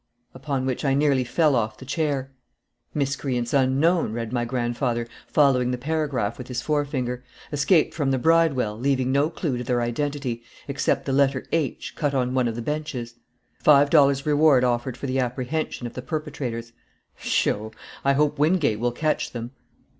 upon which I nearly fell off the chair. "'Miscreants unknown,'" read my grandfather, following the paragraph with his forefinger; "'escaped from the bridewell, leaving no clew to their identity, except the letter H, cut on one of the benches.' 'Five dollars reward offered for the apprehension of the perpetrators.' Sho! I hope Wingate will catch them."